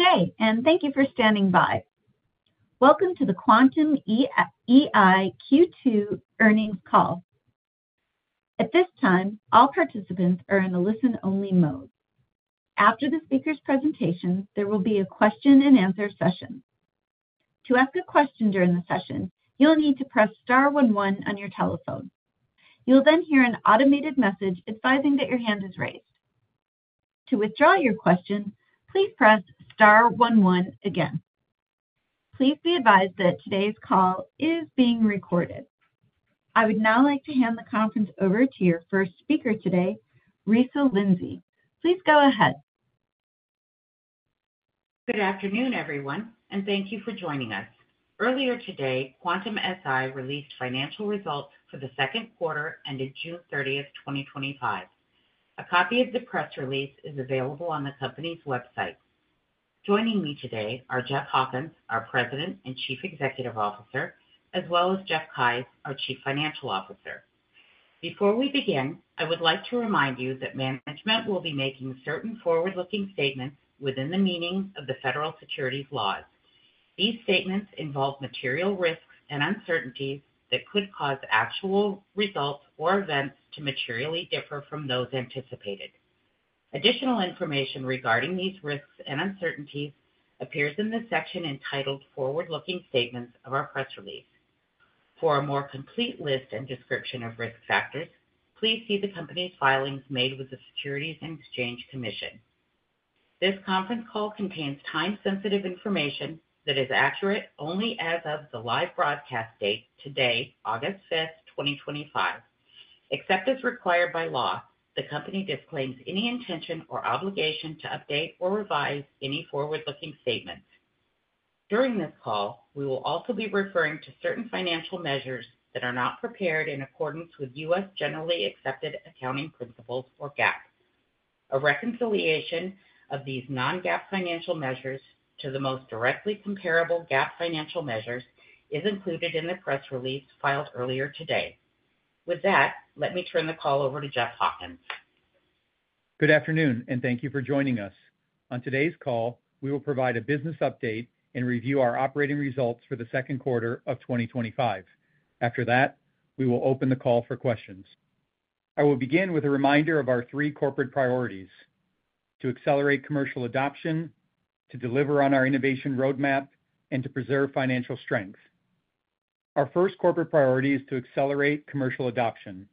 Good day, and thank you for standing by. Welcome to the Quantum-Si Q2 Earnings Call. At this time, all participants are in a listen-only mode. After the speaker's presentation, there will be a question-and-answer session. To ask a question during the session, you'll need to press star one one on your telephone. You'll then hear an automated message advising that your hand is raised. To withdraw your question, please press star one one again. Please be advised that today's call is being recorded. I would now like to hand the conference over to your first speaker today, Risa Lindsay. Please go ahead. Good afternoon, everyone, and thank you for joining us. Earlier today, Quantum-Si released financial results for the second quarter ending June 30th, 2025. A copy of the press release is available on the company's website. Joining me today are Jeff Hawkins, our President and Chief Executive Officer, as well as Jeff Keyes, our Chief Financial Officer. Before we begin, I would like to remind you that management will be making certain forward-looking statements within the meaning of the Federal Securities Laws. These statements involve material risks and uncertainties that could cause actual results or events to materially differ from those anticipated. Additional information regarding these risks and uncertainties appears in the section entitled "Forward-Looking Statements" of our press release. For a more complete list and description of risk factors, please see the company filings made with the Securities and Exchange Commission. This conference call contains time-sensitive information that is accurate only as of the live broadcast date today, August 5th, 2025. Except as required by law, the company disclaims any intention or obligation to update or revise any forward-looking statements. During this call, we will also be referring to certain financial measures that are not prepared in accordance with U.S. generally accepted accounting principles or GAAP. A reconciliation of these non-GAAP financial measures to the most directly comparable GAAP financial measures is included in the press release filed earlier today. With that, let me turn the call over to Jeff Hawkins. Good afternoon, and thank you for joining us. On today's call, we will provide a business update and review our operating results for the second quarter of 2025. After that, we will open the call for questions. I will begin with a reminder of our three corporate priorities: to accelerate commercial adoption, to deliver on our innovation roadmap, and to preserve financial strength. Our first corporate priority is to accelerate commercial adoption.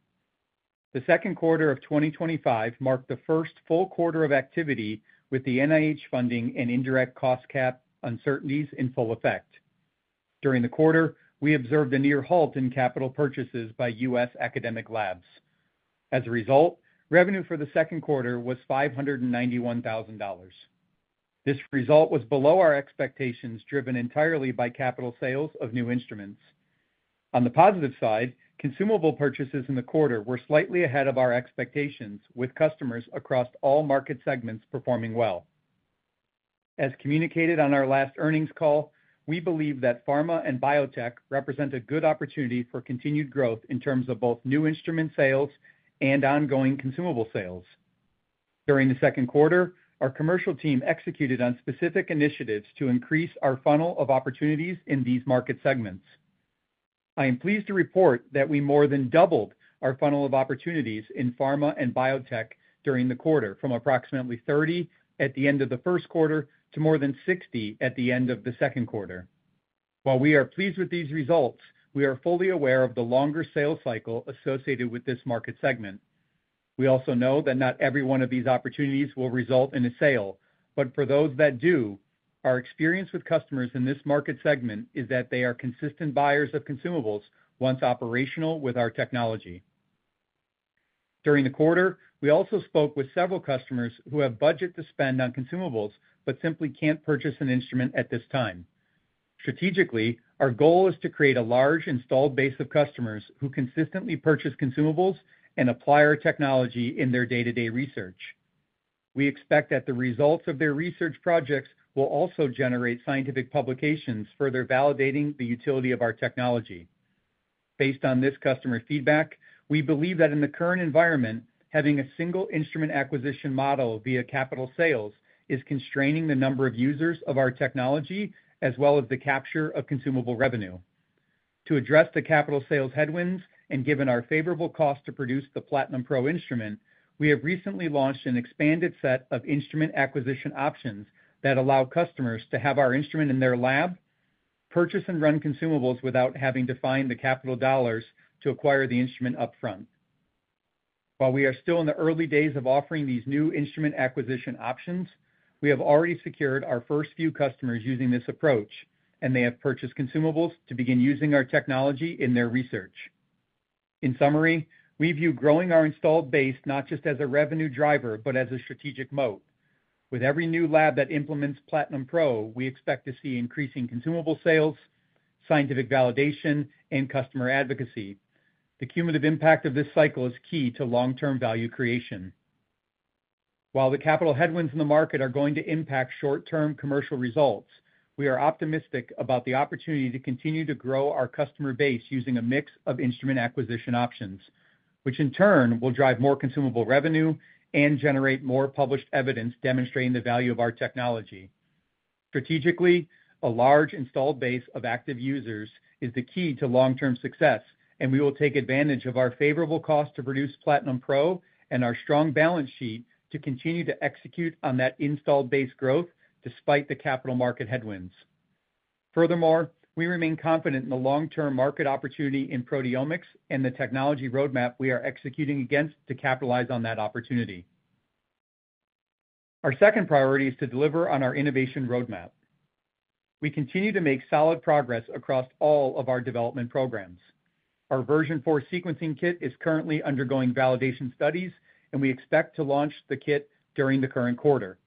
The second quarter of 2025 marked the first full quarter of activity with the NIH funding and indirect cost cap uncertainties in full effect. During the quarter, we observed a near halt in capital purchases by U.S. academic labs. As a result, revenue for the second quarter was $591,000. This result was below our expectations, driven entirely by capital sales of new instruments. On the positive side, consumable purchases in the quarter were slightly ahead of our expectations, with customers across all market segments performing well. As communicated on our last earnings call, we believe that pharma and biotech represent a good opportunity for continued growth in terms of both new instrument sales and ongoing consumable sales. During the second quarter, our commercial team executed on specific initiatives to increase our funnel of opportunities in these market segments. I am pleased to report that we more than doubled our funnel of opportunities in pharma and biotech during the quarter, from approximately 30 at the end of the first quarter to more than 60 at the end of the second quarter. While we are pleased with these results, we are fully aware of the longer sales cycle associated with this market segment. We also know that not every one of these opportunities will result in a sale, but for those that do, our experience with customers in this market segment is that they are consistent buyers of consumables once operational with our technology. During the quarter, we also spoke with several customers who have budget to spend on consumables but simply can't purchase an instrument at this time. Strategically, our goal is to create a large installed base of customers who consistently purchase consumables and apply our technology in their day-to-day research. We expect that the results of their research projects will also generate scientific publications further validating the utility of our technology. Based on this customer feedback, we believe that in the current environment, having a single instrument acquisition model via capital sales is constraining the number of users of our technology as well as the capture of consumable revenue. To address the capital sales headwinds and given our favorable cost to produce the Platinum Pro instrument, we have recently launched an expanded set of instrument acquisition options that allow customers to have our instrument in their lab, purchase and run consumables without having to find the capital dollars to acquire the instrument upfront. While we are still in the early days of offering these new instrument acquisition options, we have already secured our first few customers using this approach, and they have purchased consumables to begin using our technology in their research. In summary, we view growing our installed base not just as a revenue driver but as a strategic moat. With every new lab that implements Platinum Pro, we expect to see increasing consumable sales, scientific validation, and customer advocacy. The cumulative impact of this cycle is key to long-term value creation. While the capital headwinds in the market are going to impact short-term commercial results, we are optimistic about the opportunity to continue to grow our customer base using a mix of instrument acquisition options, which in turn will drive more consumable revenue and generate more published evidence demonstrating the value of our technology. Strategically, a large installed base of active users is the key to long-term success, and we will take advantage of our favorable cost to produce Platinum Pro and our strong balance sheet to continue to execute on that installed base growth despite the capital market headwinds. Furthermore, we remain confident in the long-term market opportunity in proteomics and the technology roadmap we are executing against to capitalize on that opportunity. Our second priority is to deliver on our innovation roadmap. We continue to make solid progress across all of our development programs. Our Version 4 Sequencing Kit is currently undergoing validation studies, and we expect to launch the kit during the current quarter.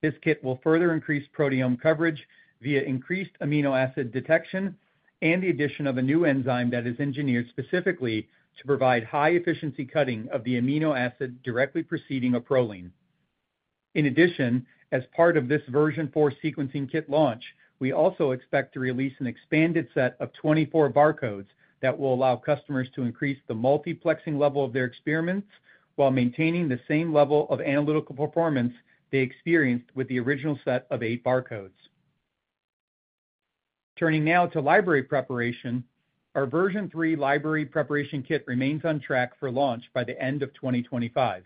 This kit will further increase proteome coverage via increased amino acid detection and the addition of a new enzyme that is engineered specifically to provide high-efficiency cutting of the amino acid directly preceding a proline. In addition, as part of this Version 4 Sequencing Kit launch, we also expect to release an expanded set of 24 barcodes that will allow customers to increase the multiplexing level of their experiments while maintaining the same level of analytical performance they experienced with the original set of eight barcodes. Turning now to library preparation, our version 3 Library Preparation Kit remains on track for launch by the end of 2025.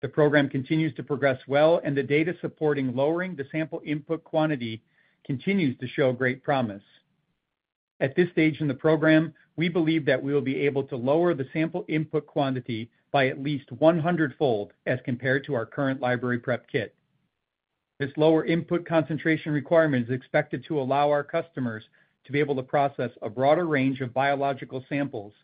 The program continues to progress well, and the data supporting lowering the sample input quantity continues to show great promise. At this stage in the program, we believe that we will be able to lower the sample input quantity by at least 100-fold as compared to our current Library Prep Kit. This lower input concentration requirement is expected to allow our customers to be able to process a broader range of biological samples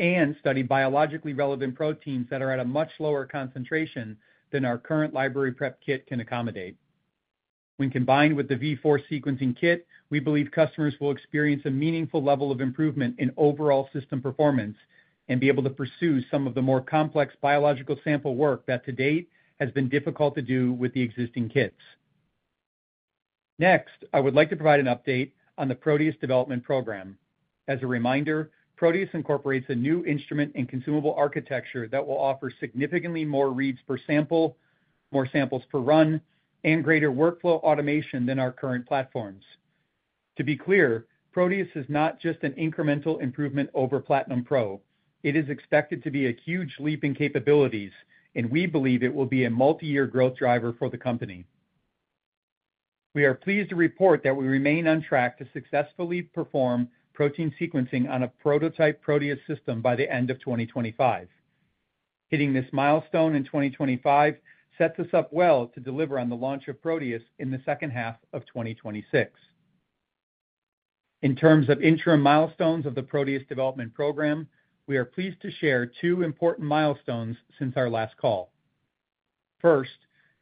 and study biologically relevant proteins that are at a much lower concentration than our current Library Prep Kit can accommodate. When combined with the Version 4 Sequencing Kit, we believe customers will experience a meaningful level of improvement in overall system performance and be able to pursue some of the more complex biological sample work that to date has been difficult to do with the existing kits. Next, I would like to provide an update on the Proteus development program. As a reminder, Proteus incorporates a new instrument and consumable architecture that will offer significantly more reads per sample, more samples per run, and greater workflow automation than our current platforms. To be clear, Proteus is not just an incremental improvement over Platinum Pro. It is expected to be a huge leap in capabilities, and we believe it will be a multi-year growth driver for the company. We are pleased to report that we remain on track to successfully perform protein sequencing on a prototype Proteus system by the end of 2025. Hitting this milestone in 2025 sets us up well to deliver on the launch of Proteus in the second half of 2026. In terms of interim milestones of the Proteus development program, we are pleased to share two important milestones since our last call. First,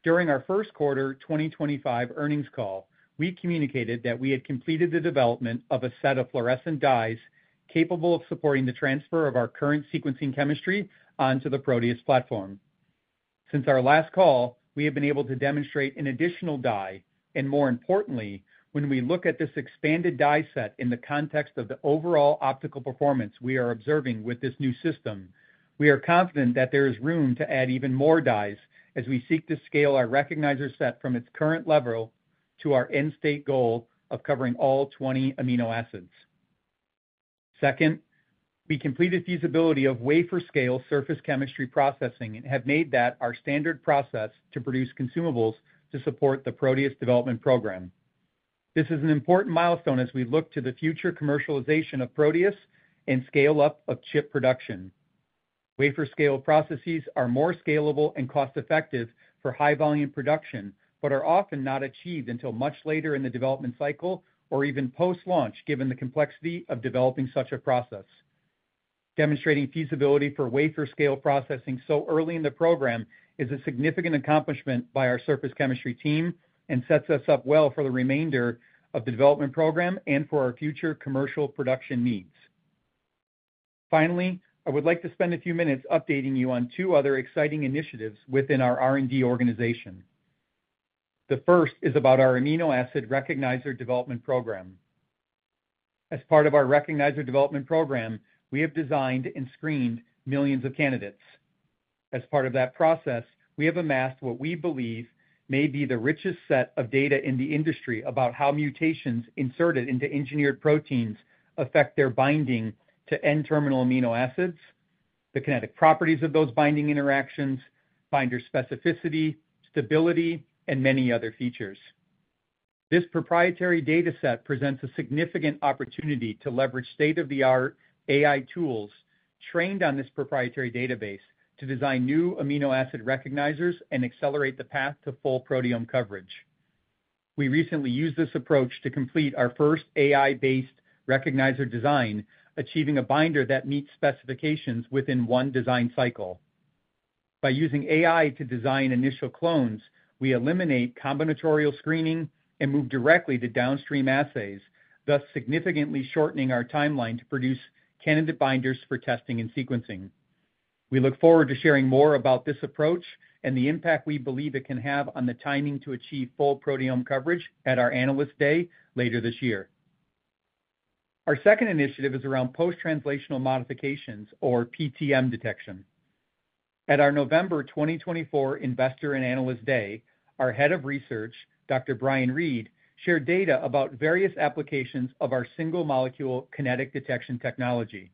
during our first quarter 2025 earnings call, we communicated that we had completed the development of a set of fluorescent dyes capable of supporting the transfer of our current sequencing chemistry onto the Proteus platform. Since our last call, we have been able to demonstrate an additional dye, and more importantly, when we look at this expanded dye set in the context of the overall optical performance we are observing with this new system, we are confident that there is room to add even more dyes as we seek to scale our recognizer set from its current level to our end-state goal of covering all 20 amino acids. Second, we completed feasibility of wafer-scale surface chemistry processing and have made that our standard process to produce consumables to support the Proteus development program. This is an important milestone as we look to the future commercialization of Proteus and scale-up of chip production. Wafer-scale processes are more scalable and cost-effective for high-volume production, but are often not achieved until much later in the development cycle or even post-launch given the complexity of developing such a process. Demonstrating feasibility for wafer-scale processing so early in the program is a significant accomplishment by our surface chemistry team and sets us up well for the remainder of the development program and for our future commercial production needs. Finally, I would like to spend a few minutes updating you on two other exciting initiatives within our R&D organization. The first is about our amino acid recognizer development program. As part of our recognizer development program, we have designed and screened millions of candidates. As part of that process, we have amassed what we believe may be the richest set of data in the industry about how mutations inserted into engineered proteins affect their binding to end-terminal amino acids, the kinetic properties of those binding interactions, binder specificity, stability, and many other features. This proprietary data set presents a significant opportunity to leverage state-of-the-art AI tools trained on this proprietary database to design new amino acid recognizers and accelerate the path to full proteome coverage. We recently used this approach to complete our first AI-based recognizer design, achieving a binder that meets specifications within one design cycle. By using AI to design initial clones, we eliminate combinatorial screening and move directly to downstream assays, thus significantly shortening our timeline to produce candidate binders for testing and sequencing. We look forward to sharing more about this approach and the impact we believe it can have on the timing to achieve full proteome coverage at our Analyst Day later this year. Our second initiative is around post-translational modifications, or PTM detection. At our November 2024 Investor and Analyst Day, our Head of Research, Dr. Brian Reid, shared data about various applications of our single-molecule kinetic detection technology.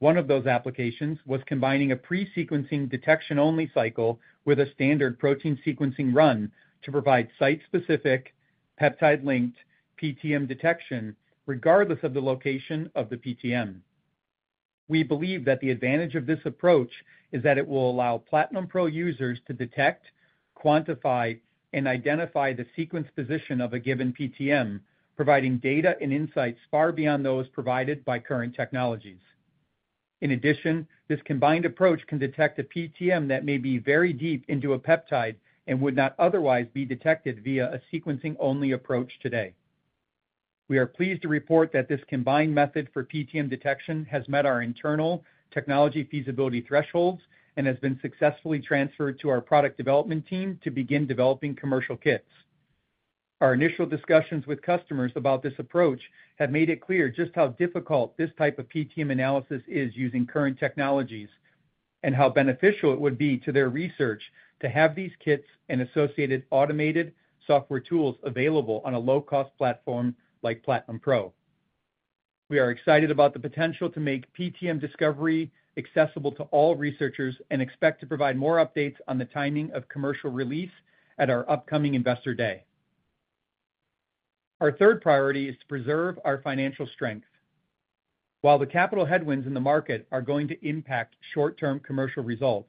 One of those applications was combining a pre-sequencing detection-only cycle with a standard protein sequencing run to provide site-specific, peptide-linked PTM detection regardless of the location of the PTM. We believe that the advantage of this approach is that it will allow Platinum Pro users to detect, quantify, and identify the sequence position of a given PTM, providing data and insights far beyond those provided by current technologies. In addition, this combined approach can detect a PTM that may be very deep into a peptide and would not otherwise be detected via a sequencing-only approach today. We are pleased to report that this combined method for PTM detection has met our internal technology feasibility thresholds and has been successfully transferred to our product development team to begin developing commercial kits. Our initial discussions with customers about this approach have made it clear just how difficult this type of PTM analysis is using current technologies and how beneficial it would be to their research to have these kits and associated automated software tools available on a low-cost platform like Platinum Pro. We are excited about the potential to make PTM discovery accessible to all researchers and expect to provide more updates on the timing of commercial release at our upcoming Investor Day. Our third priority is to preserve our financial strength. While the capital headwinds in the market are going to impact short-term commercial results,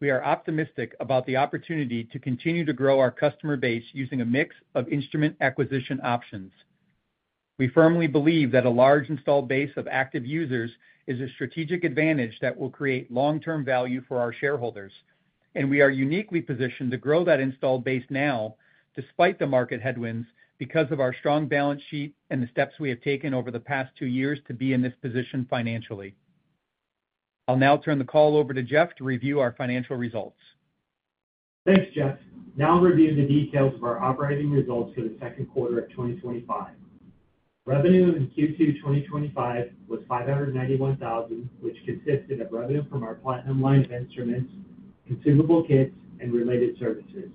we are optimistic about the opportunity to continue to grow our customer base using a mix of instrument acquisition options. We firmly believe that a large installed base of active users is a strategic advantage that will create long-term value for our shareholders, and we are uniquely positioned to grow that installed base now despite the market headwinds because of our strong balance sheet and the steps we have taken over the past two years to be in this position financially. I'll now turn the call over to Jeff to review our financial results. Thanks, Jeff. Now I'll review the details of our operating results for the second quarter of 2025. Revenue in Q2 2025 was $591,000, which consisted of revenue from our Quantum line of instruments, consumable kits, and related services.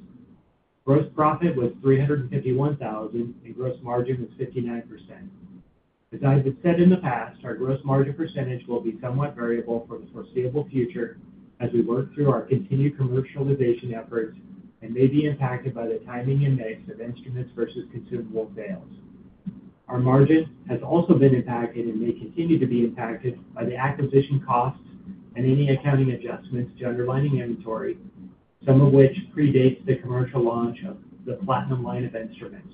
Gross profit was $351,000, and gross margin was 59%. As I have said in the past, our gross margin percentage will be somewhat variable for the foreseeable future as we work through our continued commercialization efforts and may be impacted by the timing and mix of instruments versus consumable sales. Our margin has also been impacted and may continue to be impacted by the acquisition costs and any accounting adjustments to underlying inventory, some of which predate the commercial launch of the Platinum line of instruments.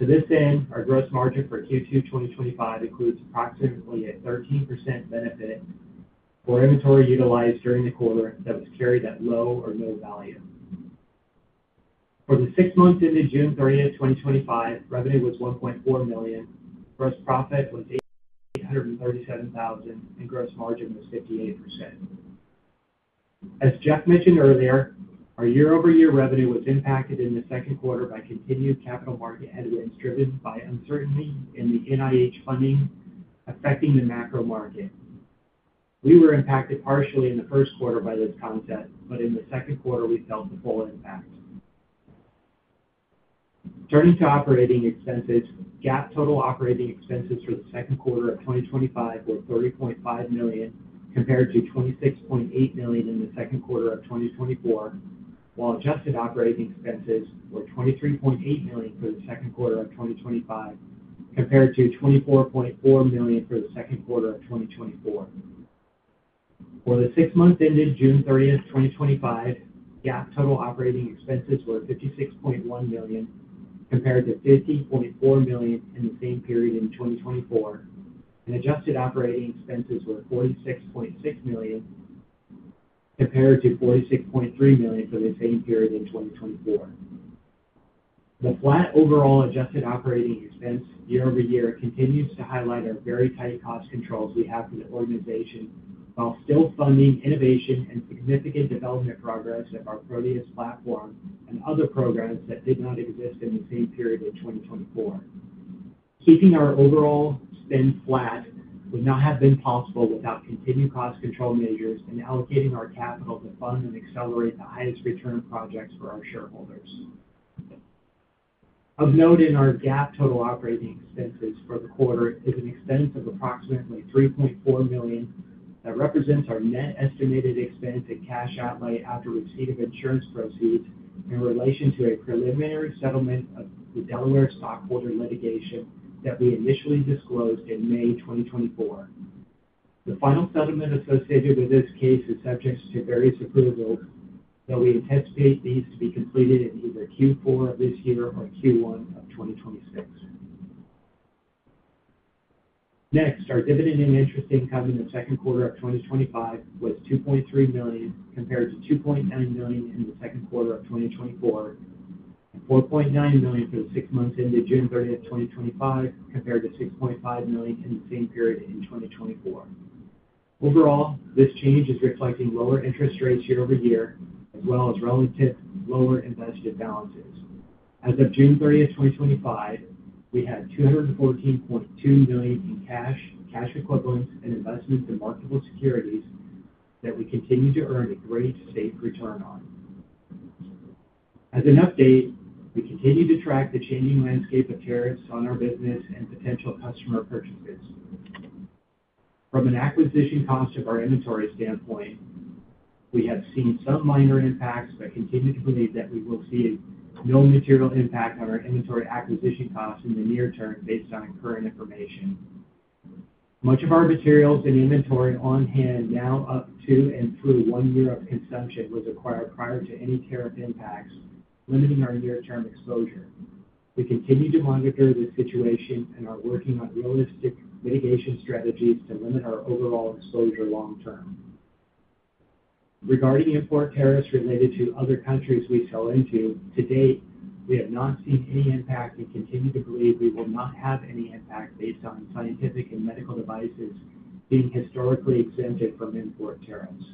To this end, our gross margin for Q2 2025 includes approximately a 13% benefit for inventory utilized during the quarter that was carried at low or no value. For the six months into June 30th, 2025, revenue was $1.4 million, gross profit was $837,000, and gross margin was 58%. As Jeff mentioned earlier, our year-over-year revenue was impacted in the second quarter by continued capital market evidence driven by uncertainty in the NIH funding affecting the macro market. We were impacted partially in the first quarter by this concept, but in the second quarter, we felt the full impact. Turning to operating expenses, GAAP total operating expenses for the second quarter of 2025 were $30.5 million compared to $26.8 million in the second quarter of 2024, while adjusted operating expenses were $23.8 million for the second quarter of 2025 compared to $24.4 million for the second quarter of 2024. For the six months ending June 30th, 2025, GAAP total operating expenses were $56.1 million compared to $50.4 million in the same period in 2024, and adjusted operating expenses were $46.6 million compared to $46.3 million for the same period in 2024. The flat overall adjusted operating expense year-over-year continues to highlight our very tight cost controls we have for the organization while still funding innovation and significant development progress at our earliest platform and other programs that did not exist in the same period of 2024. Keeping our overall spend flat would not have been possible without continued cost control measures and allocating our capital to fund and accelerate the highest return of projects for our shareholders. Of note, in our GAAP total operating expenses for the quarter is an expense of approximately $3.4 million that represents our net estimated expense in cash outlay after receipt of insurance proceeds in relation to a preliminary settlement of the Delaware stockholder litigation that we initially disclosed in May 2024. The final settlement associated with this case is subject to various approvals, though we would hesitate these to be completed in either Q4 of this year or Q1 of 2026. Next, our dividend and interest income in the second quarter of 2025 was $2.3 million compared to $2.9 million in the second quarter of 2024, $4.9 million for the six months into June 30th, 2025 compared to $6.5 million in the same period in 2024. Overall, this change is reflecting lower interest rates year-over-year, as well as relative lower invested balances. As of June 30th, 2025, we had $214.2 million in cash, cash equivalents, and investments in multiple securities that we continue to earn a great safe return on. As an update, we continue to track the changing landscape of tariffs on our business and potential customer purchases. From an acquisition cost of our inventory standpoint, we have seen some minor impacts, but continue to believe that we will see no material impact on our inventory acquisition costs in the near term based on current information. Much of our materials and inventory on hand now up to and through one year of consumption was acquired prior to any tariff impacts, limiting our near-term exposure. We continue to monitor this situation and are working on realistic mitigation strategies to limit our overall exposure long-term. Regarding import tariffs related to other countries we sell into, to date, we have not seen any impact and continue to believe we will not have any impact based on scientific and medical devices being historically exempted from import tariffs.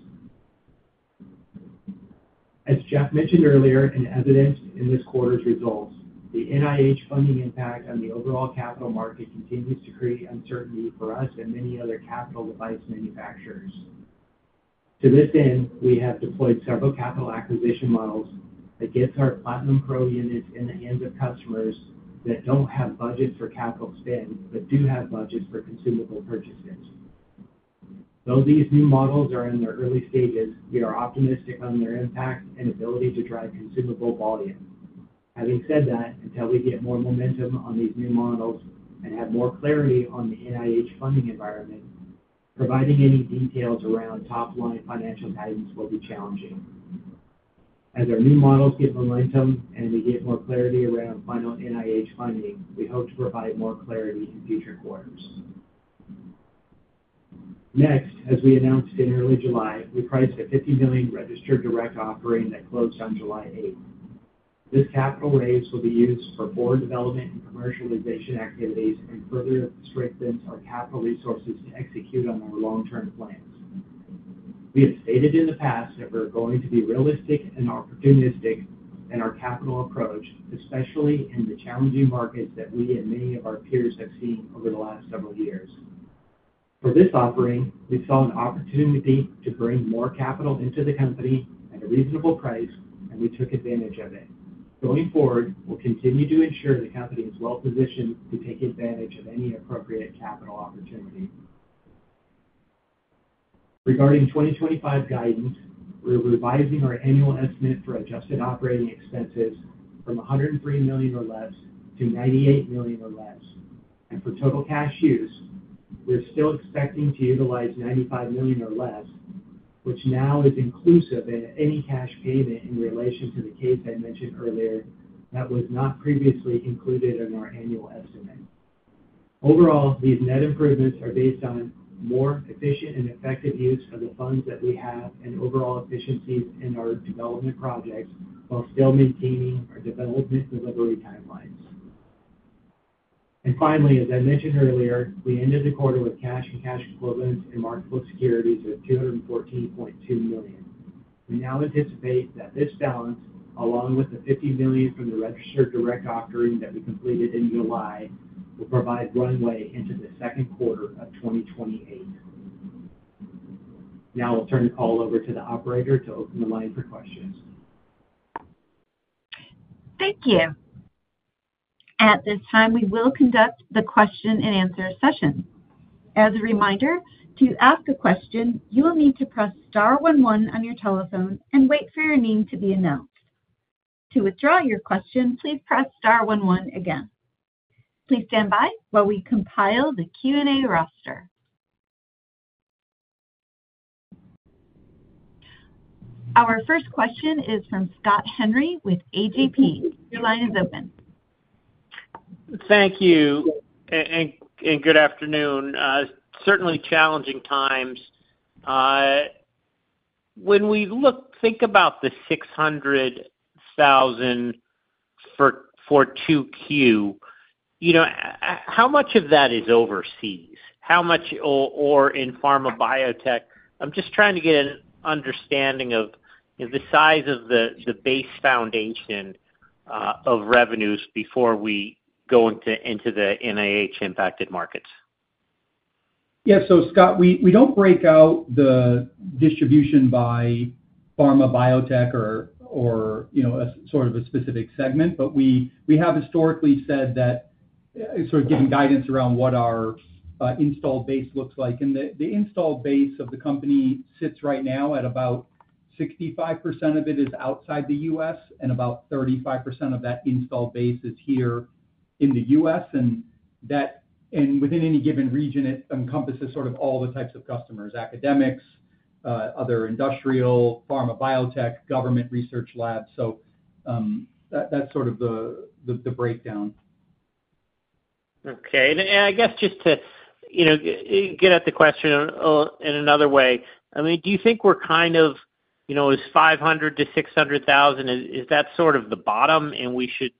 As Jeff mentioned earlier and as evidenced in this quarter's results, the NIH funding impact on the overall capital market continues to create uncertainty for us and many other capital device manufacturers. To this end, we have deployed several capital acquisition models that get our Platinum Pro units in the hands of customers that don't have budgets for capital spend but do have budgets for consumable purchases. Though these new models are in their early stages, we are optimistic on their impact and ability to drive consumable volume. Having said that, until we get more momentum on these new models and have more clarity on the NIH funding environment, providing any details around top line financial guidance will be challenging. As our new models get momentum and we get more clarity around final NIH funding, we hope to provide more clarity in future quarters. Next, as we announced in early July, we priced a $50 million registered direct offering that closed on July 8th. This capital overage will be used for board development and commercialization activities and further strengthens our capital resources to execute on our long-term plans. We have stated in the past that we're going to be realistic and opportunistic in our capital approach, especially in the challenging markets that we and many of our peers have seen over the last several years. For this offering, we saw an opportunity to bring more capital into the company at a reasonable price, and we took advantage of it. Going forward, we'll continue to ensure the company is well-positioned to take advantage of any appropriate capital opportunity. Regarding 2025 guidance, we're revising our annual estimates for adjusted operating expenses from $103 million or less to $98 million or less. For total cash use, we're still expecting to utilize $95 million or less, which now is inclusive of any cash payment in relation to the case I mentioned earlier that was not previously included in our annual estimate. Overall, these net improvements are based on more efficient and effective use of the funds that we have and overall efficiencies in our development projects while still maintaining our development delivery timelines. Finally, as I mentioned earlier, we ended the quarter with cash and cash equivalents in multiple securities at $214.2 million. We now anticipate that this balance, along with the $50 million from the registered direct offering that we completed in July, will provide runway into the second quarter of 2028. Now I'll turn it over to the operator to open the line for questions. Thank you. At this time, we will conduct the question-and-answer session. As a reminder, to ask a question, you will need to press star one one on your telephone and wait for your name to be announced. To withdraw your question, please press star one one again. Please stand by while we compile the Q&A roster. Our first question is from Scott Henry with AGP. Your line is open. Thank you. Good afternoon. Certainly challenging times. When we think about the $600,000 for 2Q, how much of that is overseas? How much is in pharma biotech? I'm just trying to get an understanding of the size of the base foundation of revenues before we go into the NIH-impacted markets. Yeah. Scott, we don't break out the distribution by pharma biotech or a specific segment, but we have historically said that giving guidance around what our installed base looks like. The installed base of the company sits right now at about 65% of it is outside the U.S., and about 35% of that installed base is here in the U.S. Within any given region, it encompasses all the types of customers: academics, other industrial, pharma biotech, government research labs. That's the breakdown. Okay. I guess just to get at the question in another way, do you think we're kind of, you know, is $500,000-$600,000, is that sort of the bottom and we should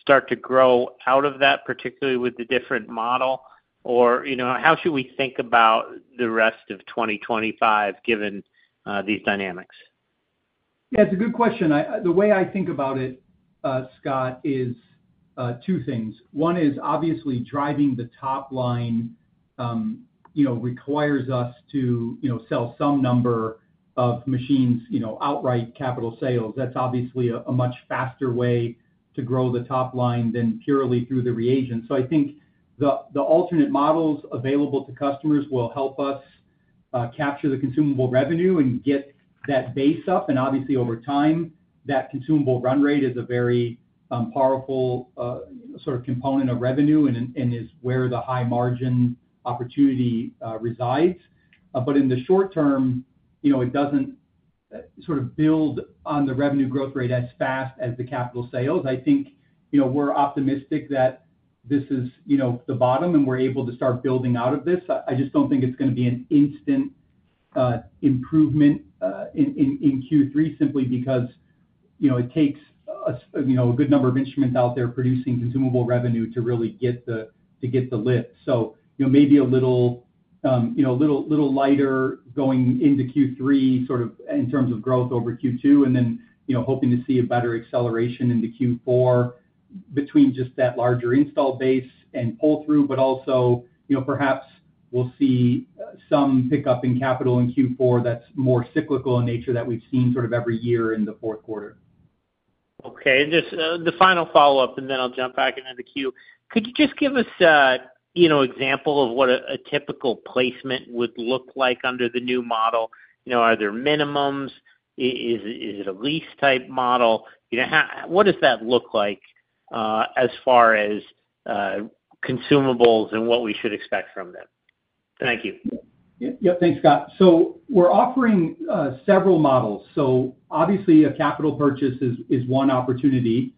start to grow out of that, particularly with the different model? How should we think about the rest of 2025 given these dynamics? Yeah, it's a good question. The way I think about it, Scott, is two things. One is obviously driving the top line requires us to sell some number of machines, you know, outright capital sales. That's obviously a much faster way to grow the top line than purely through the reagents. I think the alternate models available to customers will help us capture the consumable revenue and get that base up. Obviously, over time, that consumable run rate is a very powerful sort of component of revenue and is where the high margin opportunity resides. In the short-term, it doesn't sort of build on the revenue growth rate as fast as the capital sales. I think we're optimistic that this is the bottom and we're able to start building out of this. I just don't think it's going to be an instant improvement in Q3 simply because it takes a good number of instruments out there producing consumable revenue to really get the lift. Maybe a little lighter going into Q3 in terms of growth over Q2 and then hoping to see a better acceleration into Q4 between just that larger installed base and pull-through, but also perhaps we'll see some pickup in capital in Q4 that's more cyclical in nature that we've seen every year in the fourth quarter. Okay. Just the final follow-up, and then I'll jump back into the queue. Could you give us an example of what a typical placement would look like under the new model? Are there minimums? Is it a lease-type model? What does that look like as far as consumables and what we should expect from them? Thank you. Yep, yep. Thanks, Scott. We're offering several models. Obviously, a capital purchase is one opportunity.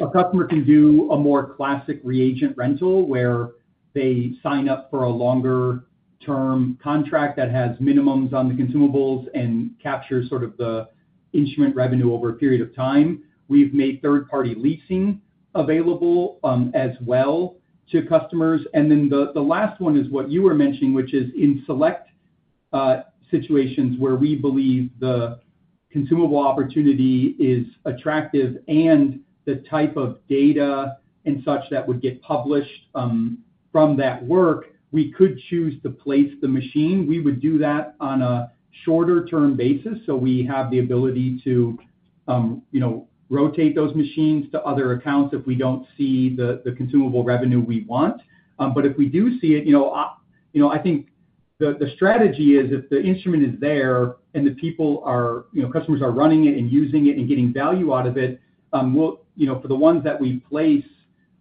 A customer can do a more classic reagent rental where they sign up for a longer-term contract that has minimums on the consumables and captures sort of the instrument revenue over a period of time. We've made third-party leasing available as well to customers. The last one is what you were mentioning, which is in select situations where we believe the consumable opportunity is attractive and the type of data and such that would get published from that work, we could choose to place the machine. We would do that on a shorter-term basis. We have the ability to rotate those machines to other accounts if we don't see the consumable revenue we want. If we do see it, I think the strategy is if the instrument is there and the people are, you know, customers are running it and using it and getting value out of it, for the ones that we place,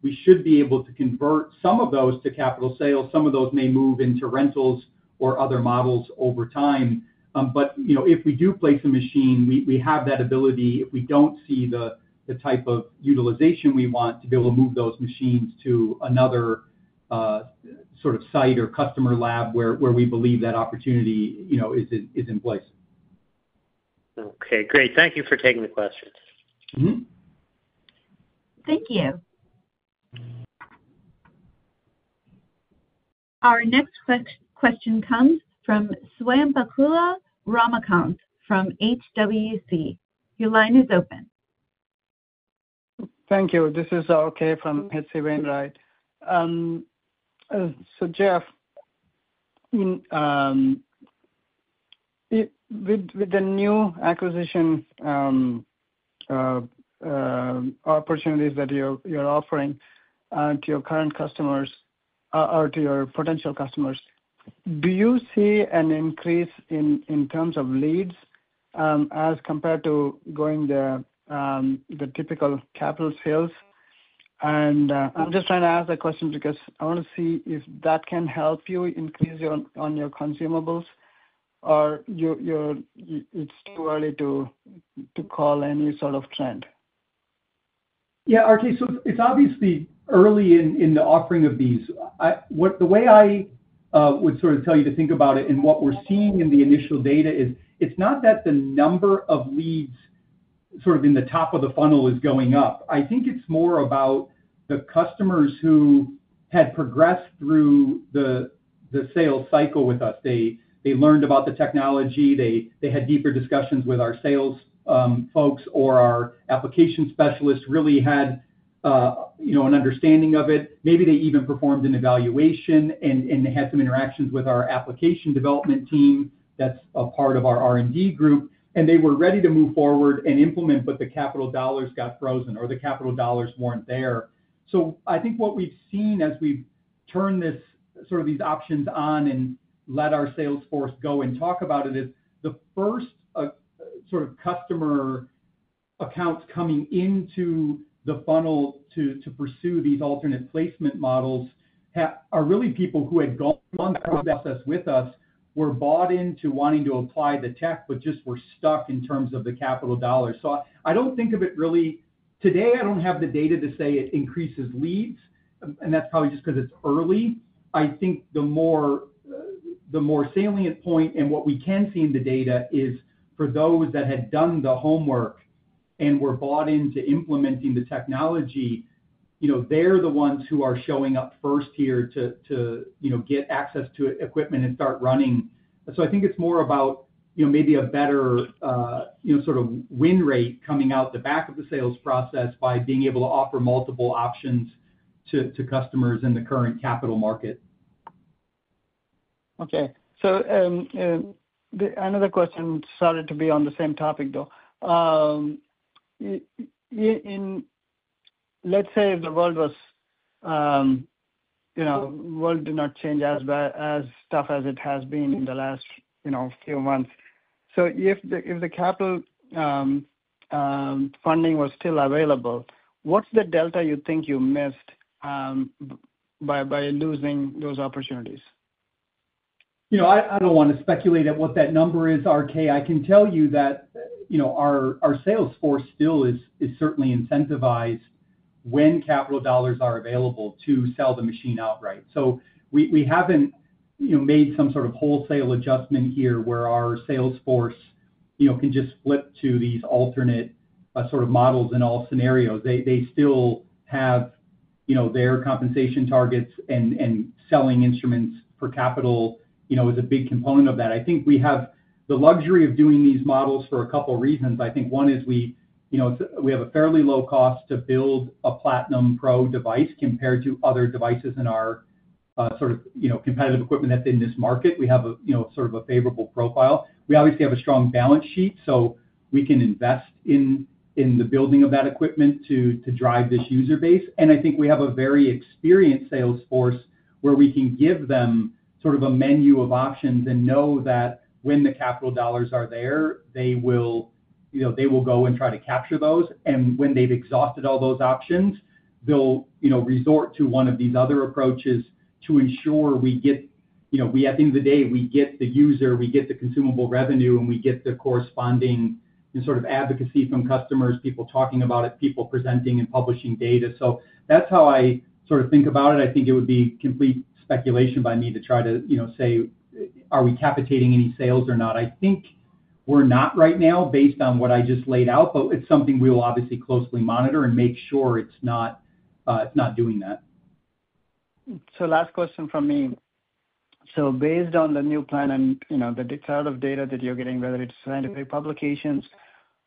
we should be able to convert some of those to capital sales. Some of those may move into rentals or other models over time. If we do place a machine, we have that ability. If we don't see the type of utilization we want, to be able to move those machines to another sort of site or customer lab where we believe that opportunity is in place. Okay. Great. Thank you for taking the question. Thank you. Our next question comes from Swayampakula Ramakanth from [H.C. W.] Your line is open. Thank you. This is R.K. from HC Wainwright. Jeff, with the new acquisition opportunities that you're offering to your current customers or to your potential customers, do you see an increase in terms of leads as compared to going the typical capital equipment sales? I'm just trying to ask that question because I want to see if that can help you increase your consumables or it's too early to call any sort of trend. Yeah. Okay. It's obviously early in the offering of these. The way I would sort of tell you to think about it and what we're seeing in the initial data is it's not that the number of leads in the top of the funnel is going up. I think it's more about the customers who had progressed through the sales cycle with us. They learned about the technology. They had deeper discussions with our sales folks or our application specialists, really had an understanding of it. Maybe they even performed an evaluation and they had some interactions with our application development team that's a part of our R&D group. They were ready to move forward and implement, but the capital dollars got frozen or the capital dollars weren't there. I think what we've seen as we've turned these options on and let our sales force go and talk about it is the first customer accounts coming into the funnel to pursue these alternate placement models are really people who had gone through the process with us, were bought into wanting to apply the tech, but just were stuck in terms of the capital dollars. I don't think of it really today. I don't have the data to say it increases leads, and that's probably just because it's early. I think the more salient point and what we can see in the data is for those that had done the homework and were bought into implementing the technology, they're the ones who are showing up first here to get access to equipment and start running. I think it's more about maybe a better win rate coming out the back of the sales process by being able to offer multiple options to customers in the current capital market. Okay. Another question started to be on the same topic, though. Let's say if the world was, you know, the world did not change as bad as tough as it has been in the last, you know, few months. If the capital funding was still available, what's the delta you think you missed by losing those opportunities? I don't want to speculate at what that number is, R.K. I can tell you that our sales force still is certainly incentivized when capital dollars are available to sell the machine outright. We haven't made some sort of wholesale adjustment here where our sales force can just flip to these alternate sort of models in all scenarios. They still have their compensation targets, and selling instruments for capital is a big component of that. I think we have the luxury of doing these models for a couple of reasons. One is we have a fairly low cost to build a Platinum Pro device compared to other devices in our competitive equipment that's in this market. We have a favorable profile. We obviously have a strong balance sheet, so we can invest in the building of that equipment to drive this user base. I think we have a very experienced sales force where we can give them a menu of options and know that when the capital dollars are there, they will go and try to capture those. When they've exhausted all those options, they'll resort to one of these other approaches to ensure we get the user, we get the consumable revenue, and we get the corresponding advocacy from customers, people talking about it, people presenting and publishing data. That's how I sort of think about it. I think it would be complete speculation by me to try to say, are we capitating any sales or not? I think we're not right now based on what I just laid out, but it's something we will obviously closely monitor and make sure it's not doing that. Based on the new plan and, you know, the cloud of data that you're getting, whether it's scientific publications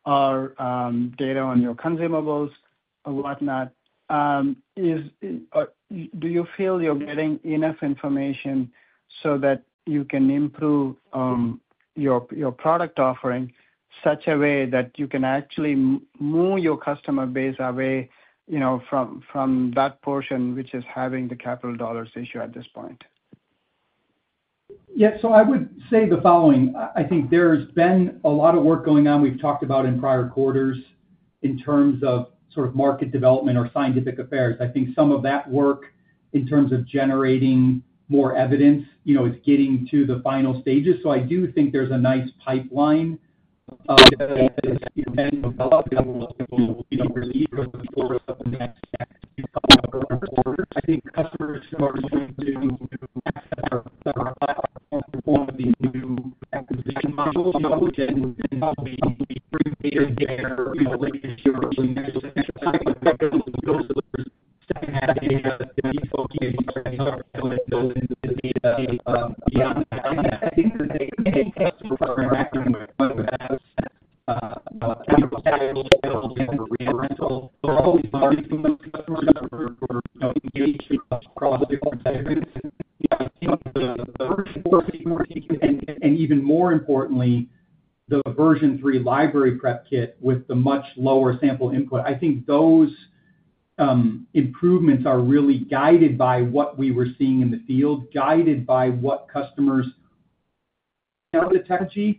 or data on your consumables or whatnot, do you feel you're getting enough information so that you can improve your product offering in such a way that you can actually move your customer base away, you know, from that portion which is having the capital dollars issue at this point? Yeah. I would say the following. I think there's been a lot of work going on we've talked about in prior quarters in terms of sort of market development or scientific affairs. I think some of that work in terms of generating more evidence, you know, it's getting to the final stages. I do think there's a nice pipeline. We are also already seeing those customers that were engaged in a lot of different segments. Even more importantly, the version 3 Library Prep Kit with the much lower sample input. I think those improvements are really guided by what we were seeing in the field, guided by what customers have attached. I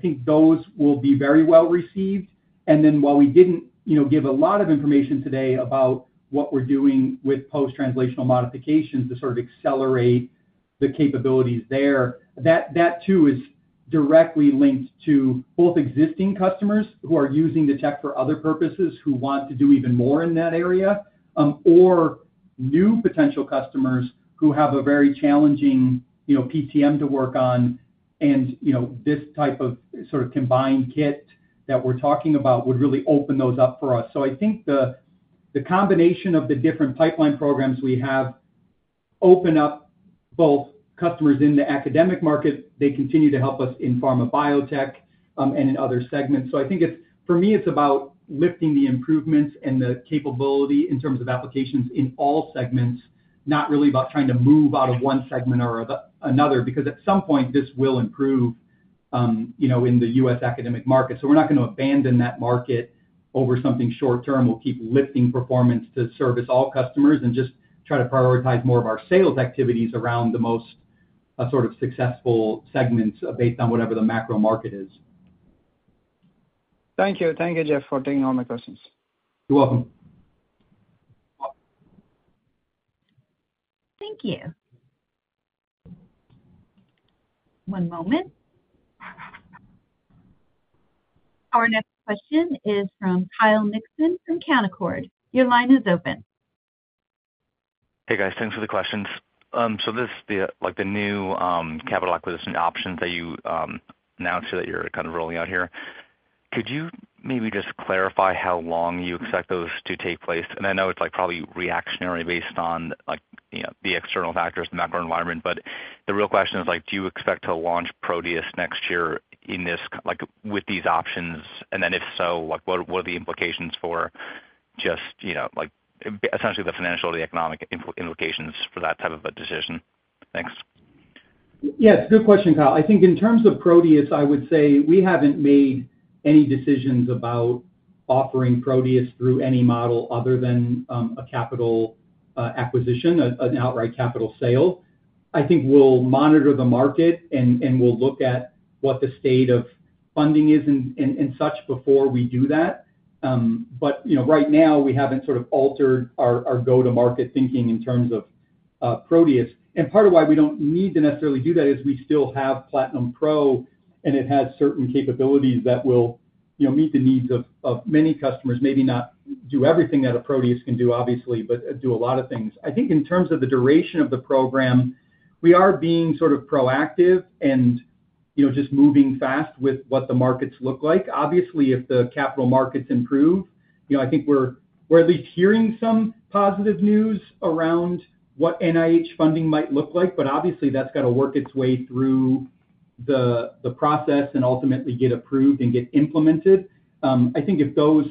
think those will be very well received. While we didn't give a lot of information today about what we're doing with post-translational modification detection to sort of accelerate the capabilities there, that too is directly linked to both existing customers who are using the tech for other purposes who want to do even more in that area, or new potential customers who have a very challenging PTM to work on. This type of sort of combined kit that we're talking about would really open those up for us. I think the combination of the different pipeline programs we have open up both customers in the academic market. They continue to help us in pharma biotech and in other segments. I think it's, for me, it's about lifting the improvements and the capability in terms of applications in all segments, not really about trying to move out of one segment or another because at some point this will improve in the U.S. academic market. We're not going to abandon that market over something short term. We'll keep lifting performance to service all customers and just try to prioritize more of our sales activities around the most sort of successful segments based on whatever the macro market is. Thank you. Thank you, Jeff, for taking all my questions. You're welcome. Thank you. One moment. Our next question is from Kyle Mikson from Canaccord. Your line is open. Hey, guys. Thanks for the questions. Is this the new capital acquisition options that you announced here that you're kind of rolling out here? Could you maybe just clarify how long you expect those to take place? I know it's probably reactionary based on the external factors, the macro environment. The real question is, do you expect to launch Proteus next year with these options? If so, what are the implications for just, you know, essentially the financial or the economic implications for that type of a decision? Thanks. Yeah, it's a good question, Kyle. I think in terms of Proteus, I would say we haven't made any decisions about offering Proteus through any model other than a capital acquisition, an outright capital sale. I think we'll monitor the market and we'll look at what the state of funding is and such before we do that. Right now, we haven't sort of altered our go-to-market thinking in terms of Proteus. Part of why we don't need to necessarily do that is we still have Platinum Pro, and it has certain capabilities that will meet the needs of many customers. Maybe not do everything that a Proteus can do, obviously, but do a lot of things. I think in terms of the duration of the program, we are being sort of proactive and just moving fast with what the markets look like. Obviously, if the capital markets improve, I think we're at least hearing some positive news around what NIH funding might look like. Obviously, that's got to work its way through the process and ultimately get approved and get implemented. I think if those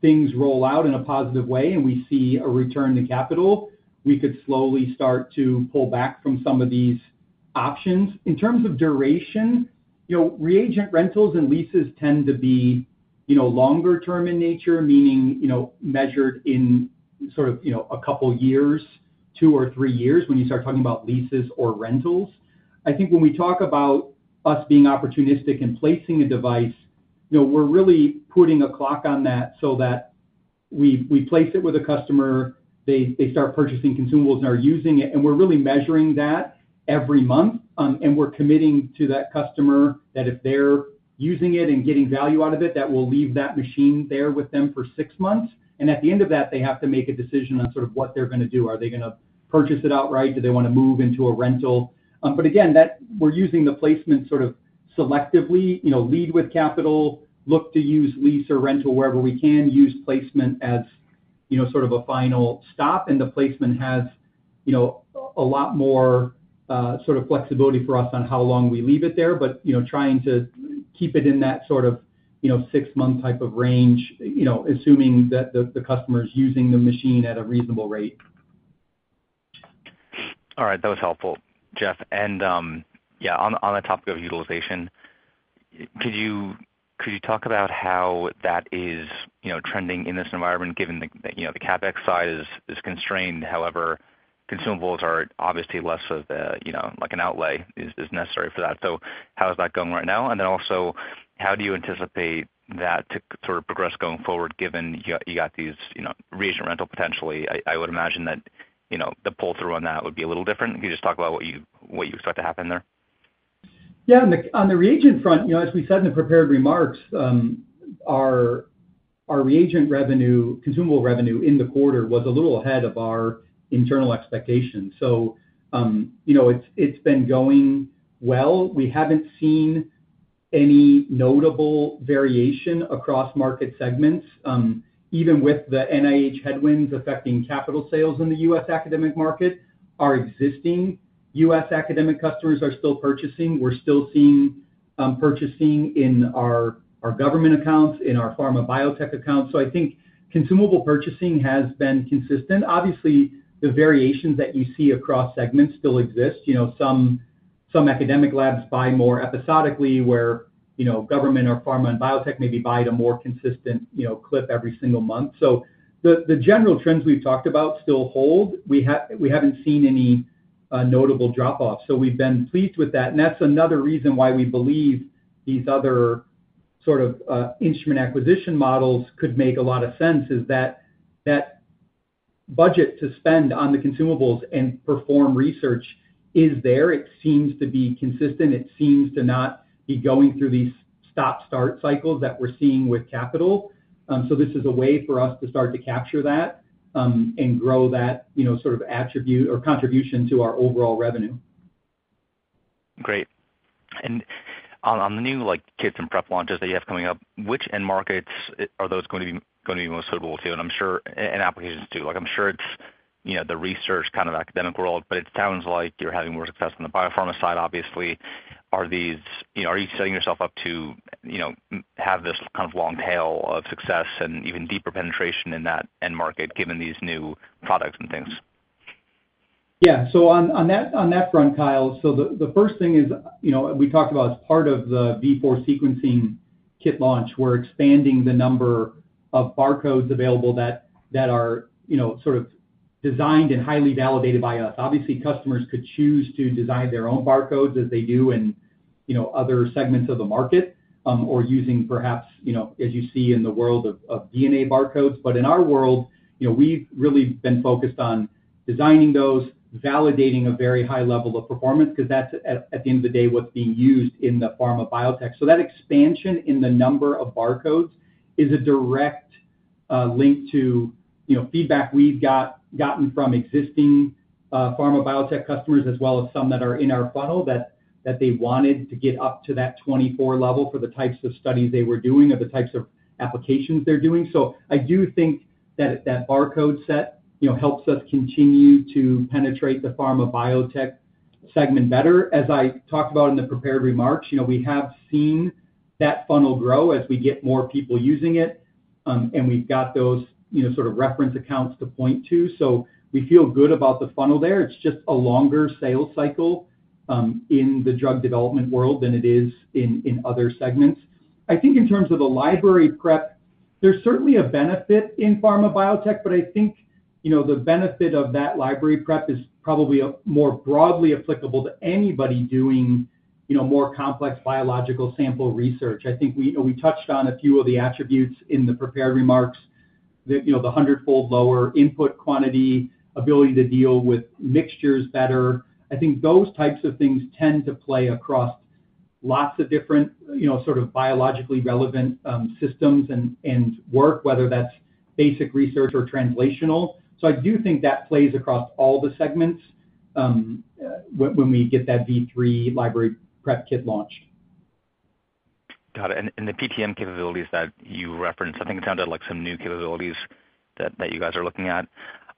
things roll out in a positive way and we see a return to capital, we could slowly start to pull back from some of these options. In terms of duration, reagent rentals and leases tend to be longer-term in nature, meaning measured in sort of a couple of years, two or three years when you start talking about leases or rentals. I think when we talk about us being opportunistic in placing a device, we're really putting a clock on that so that we place it with a customer, they start purchasing consumables and are using it, and we're really measuring that every month. We're committing to that customer that if they're using it and getting value out of it, that we'll leave that machine there with them for six months. At the end of that, they have to make a decision on sort of what they're going to do. Are they going to purchase it outright? Do they want to move into a rental? We're using the placement sort of selectively, lead with capital, look to use lease or rental wherever we can, use placement as sort of a final stop. The placement has a lot more sort of flexibility for us on how long we leave it there, but trying to keep it in that sort of six-month type of range, assuming that the customer is using the machine at a reasonable rate. All right. That was helpful, Jeff. On the topic of utilization, could you talk about how that is trending in this environment given that the CapEx side is constrained? However, consumables are obviously less of an outlay is necessary for that. How is that going right now? Also, how do you anticipate that to sort of progress going forward given you got these reagent rental potentially? I would imagine that the pull-through on that would be a little different. Could you just talk about what you expect to happen there? Yeah. On the reagent front, as we said in the prepared remarks, our reagent revenue, consumable revenue in the quarter was a little ahead of our internal expectations. It's been going well. We haven't seen any notable variation across market segments. Even with the NIH headwinds affecting capital sales in the U.S. academic market, our existing U.S. academic customers are still purchasing. We're still seeing purchasing in our government accounts, in our pharma biotech accounts. I think consumable purchasing has been consistent. Obviously, the variations that you see across segments still exist. Some academic labs buy more episodically, where government or pharma and biotech may be buying at a more consistent clip every single month. The general trends we've talked about still hold. We haven't seen any notable drop-offs. We've been pleased with that. That's another reason why we believe these other sort of instrument acquisition models could make a lot of sense, as that budget to spend on the consumables and perform research is there. It seems to be consistent. It seems to not be going through these stop-start cycles that we're seeing with capital. This is a way for us to start to capture that and grow that sort of attribute or contribution to our overall revenue. Great. On the new kits and prep launches that you have coming up, which end markets are those going to be most suitable with you? I'm sure in applications too, like, I'm sure it's, you know, the research kind of academic world, but it sounds like you're having more success on the biopharma side, obviously. Are these, you know, are you setting yourself up to have this kind of long tail of success and even deeper penetration in that end market given these new products and things? Yeah. On that front, Kyle, the first thing is, you know, we talked about it's part of the V4 Sequencing Kit launch where expanding the number of barcodes available that are, you know, sort of designed and highly validated by us. Obviously, customers could choose to design their own barcodes as they do in, you know, other segments of the market or using perhaps, you know, as you see in the world of DNA barcodes. In our world, you know, we've really been focused on designing those, validating a very high level of performance because that's at the end of the day what's being used in the pharma biotech. That expansion in the number of barcodes is a direct link to, you know, feedback we've gotten from existing pharma biotech customers as well as some that are in our funnel that they wanted to get up to that 24 level for the types of studies they were doing or the types of applications they're doing. I do think that that barcode set, you know, helps us continue to penetrate the pharma biotech segment better. As I talked about in the prepared remarks, you know, we have seen that funnel grow as we get more people using it, and we've got those, you know, sort of reference accounts to point to. We feel good about the funnel there. It's just a longer sales cycle in the drug development world than it is in other segments. I think in terms of the library prep, there's certainly a benefit in pharma biotech, but I think, you know, the benefit of that library prep is probably more broadly applicable to anybody doing, you know, more complex biological sample research. I think we, you know, we touched on a few of the attributes in the prepared remarks that, you know, the 100-fold lower input quantity, ability to deal with mixtures better. I think those types of things tend to play across lots of different, you know, sort of biologically relevant systems and work, whether that's basic research or translational. I do think that plays across all the segments when we get that V3 Library Preparation Kit launched. Got it. The PTM capabilities that you referenced, I think it sounded like some new capabilities that you guys are looking at.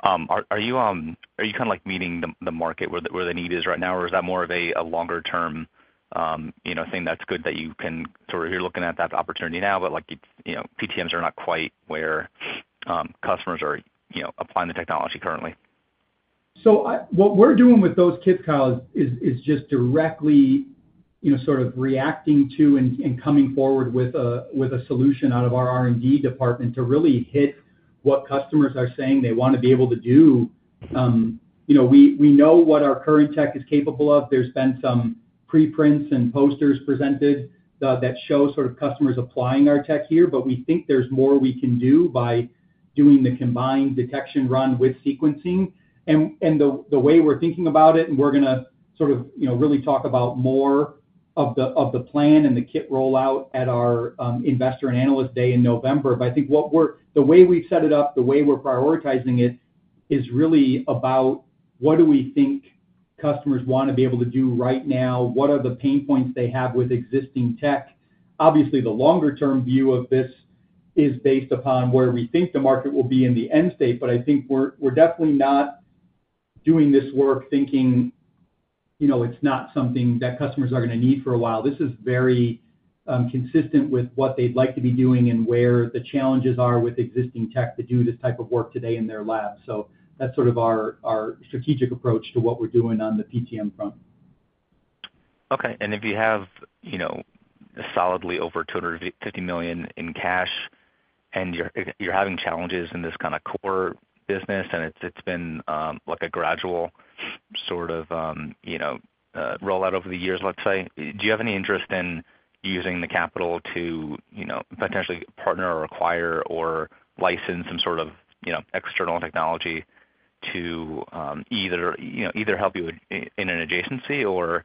Are you kind of like meeting the market where the need is right now, or is that more of a longer-term thing that's good that you can sort of, you're looking at that opportunity now, but like, you know, PTMs are not quite where customers are, you know, applying the technology currently? What we're doing with those kits, Kyle, is just directly, you know, sort of reacting to and coming forward with a solution out of our R&D department to really hit what customers are saying they want to be able to do. We know what our current tech is capable of. There have been some preprints and posters presented that show customers applying our tech here, but we think there's more we can do by doing the combined detection run with sequencing. The way we're thinking about it, and we're going to really talk about more of the plan and the kit rollout at our investor and analyst day in November. I think the way we've set it up, the way we're prioritizing it is really about what do we think customers want to be able to do right now. What are the pain points they have with existing tech? Obviously, the longer-term view of this is based upon where we think the market will be in the end state. We're definitely not doing this work thinking it's not something that customers are going to need for a while. This is very consistent with what they'd like to be doing and where the challenges are with existing tech to do this type of work today in their lab. That's our strategic approach to what we're doing on the PTM booth. Okay. If you have, you know, a solidly over $250 million in cash and you're having challenges in this kind of core business and it's been like a gradual sort of rollout over the years, do you have any interest in using the capital to potentially partner or acquire or license some sort of external technology to either help you in an adjacency or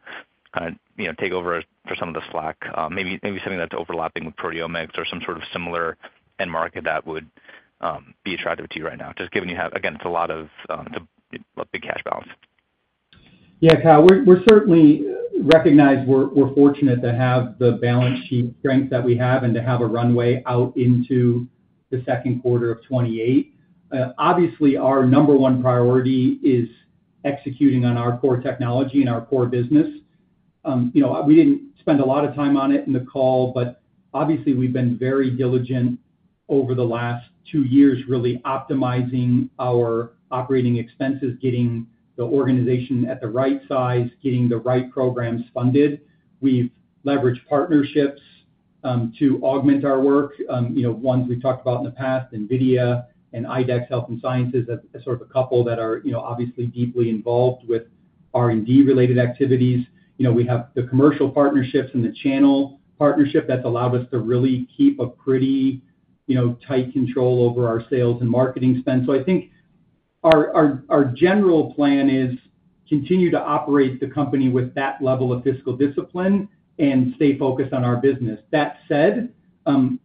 kind of take over for some of the slack, maybe something that's overlapping with proteomics or some sort of similar end market that would be attractive to you right now, just given you have, again, it's a lot of a big cash balance. Yeah, Kyle, we certainly recognize we're fortunate to have the balance sheet strength that we have and to have a runway out into the second quarter of 2028. Obviously, our number one priority is executing on our core technology and our core business. We didn't spend a lot of time on it in the call, but obviously, we've been very diligent over the last two years, really optimizing our operating expenses, getting the organization at the right size, getting the right programs funded. We've leveraged partnerships to augment our work, ones we've talked about in the past, NVIDIA and IDEX Health and Science, as sort of a couple that are obviously deeply involved with R&D-related activities. We have the commercial partnerships and the channel partnership that's allowed us to really keep a pretty tight control over our sales and marketing spend. I think our general plan is to continue to operate the company with that level of fiscal discipline and stay focused on our business. That said,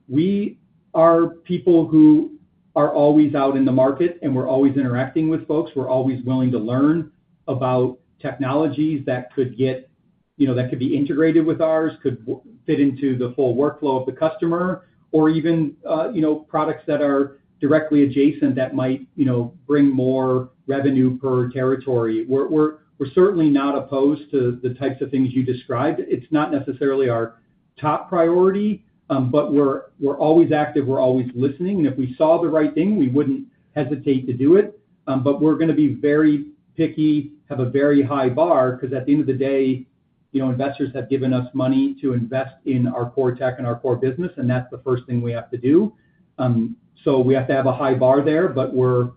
we are people who are always out in the market and we're always interacting with folks. We're always willing to learn about technologies that could be integrated with ours, could fit into the full workflow of the customer, or even products that are directly adjacent that might bring more revenue per territory. We're certainly not opposed to the types of things you described. It's not necessarily our top priority, but we're always active. We're always listening. If we saw the right thing, we wouldn't hesitate to do it. We're going to be very picky, have a very high bar because at the end of the day, investors have given us money to invest in our core tech and our core business, and that's the first thing we have to do. We have to have a high bar there, but we're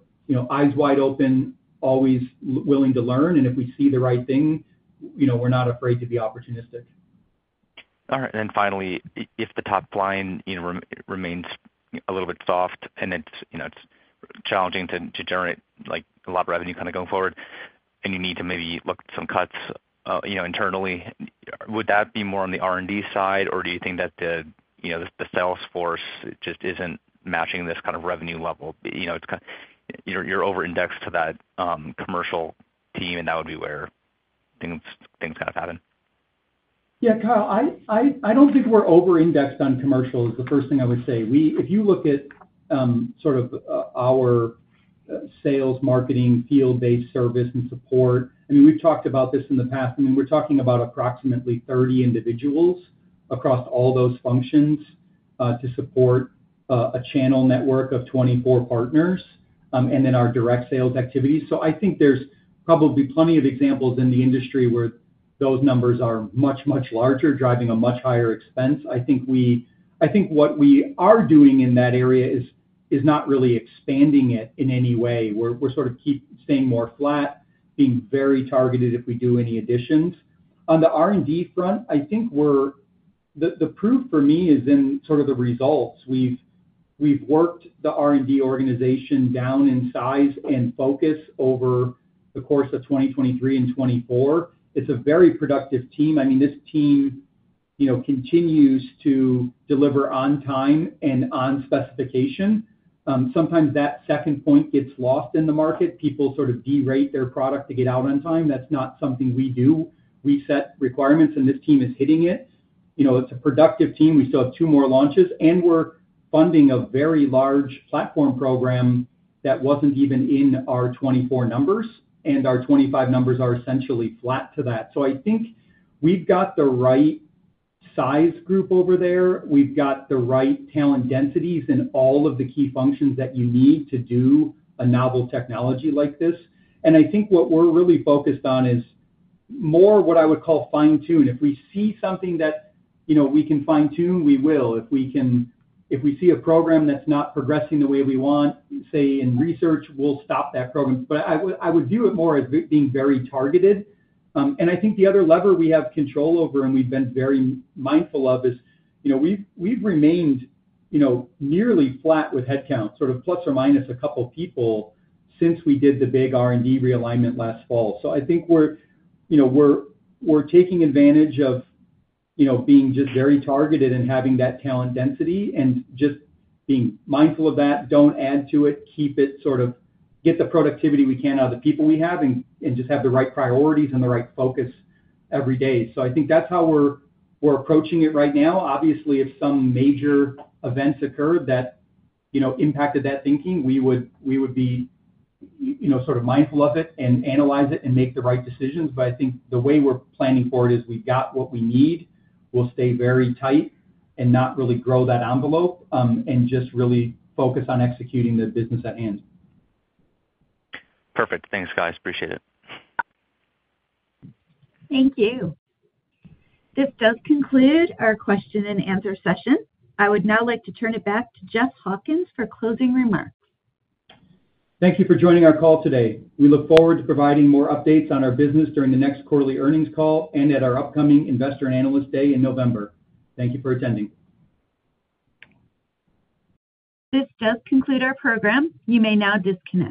eyes wide open, always willing to learn. If we see the right thing, we're not afraid to be opportunistic. All right. If the top line remains a little bit soft and it's challenging to generate like a lot of revenue going forward and you need to maybe look at some cuts internally, would that be more on the R&D side or do you think that the sales force just isn't matching this kind of revenue level? You're over-indexed to that commercial team and that would be where things kind of happen? Yeah, Kyle, I don't think we're over-indexed on commercial is the first thing I would say. If you look at sort of our sales, marketing, field-based service and support, we've talked about this in the past. We're talking about approximately 30 individuals across all those functions to support a channel network of 24 partners and then our direct sales activities. I think there's probably plenty of examples in the industry where those numbers are much, much larger, driving a much higher expense. I think what we are doing in that area is not really expanding it in any way. We're sort of staying more flat, being very targeted if we do any additions. On the R&D front, the proof for me is in sort of the results. We've worked the R&D organization down in size and focus over the course of 2023 and 2024. It's a very productive team. This team continues to deliver on time and on specification. Sometimes that second point gets lost in the market. People sort of de-rate their product to get out on time. That's not something we do. We've set requirements and this team is hitting it. It's a productive team. We still have two more launches and we're funding a very large platform program that wasn't even in our 2024 numbers and our 2025 numbers are essentially flat to that. I think we've got the right size group over there. We've got the right talent densities in all of the key functions that you need to do a novel technology like this. I think what we're really focused on is more what I would call fine-tune. If we see something that we can fine-tune, we will. If we see a program that's not progressing the way we want, say in research, we'll stop that program. I would view it more as being very targeted. I think the other lever we have control over and we've been very mindful of is we've remained nearly flat with headcount, sort of plus or minus a couple of people since we did the big R&D realignment last fall. I think we're taking advantage of being just very targeted and having that talent density and just being mindful of that. Don't add to it. Keep it, sort of get the productivity we can out of the people we have and just have the right priorities and the right focus every day. I think that's how we're approaching it right now. Obviously, if some major events occurred that impacted that thinking, we would be mindful of it and analyze it and make the right decisions. I think the way we're planning for it is we've got what we need. We'll stay very tight and not really grow that envelope and just really focus on executing the business at hand. Perfect. Thanks, guys. Appreciate it. Thank you. This does conclude our question and answer session. I would now like to turn it back to Jeff Hawkins for closing remarks. Thank you for joining our call today. We look forward to providing more updates on our business during the next quarterly earnings call and at our upcoming Investor and Analyst Day in November. Thank you for attending. This does conclude our program. You may now disconnect.